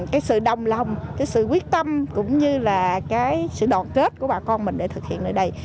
cái sự đồng lòng cái sự quyết tâm cũng như là cái sự đoàn kết của bà con mình để thực hiện ở đây